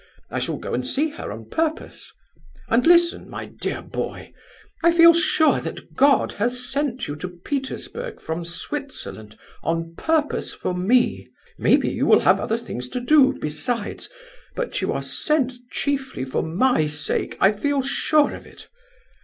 I shall go and see her on purpose. And listen, my dear boy, I feel sure that God has sent you to Petersburg from Switzerland on purpose for me. Maybe you will have other things to do, besides, but you are sent chiefly for my sake, I feel sure of it.